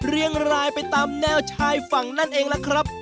เรียงรายไปตามแนวชายฝั่งนั่นเองล่ะครับ